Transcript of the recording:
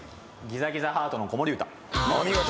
『ギザギザハートの子守唄』お見事。